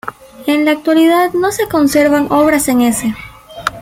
En la actualidad no se conservan obras en ese.